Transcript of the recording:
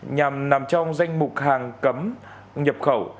nhằm nằm trong danh mục hàng cấm nhập khẩu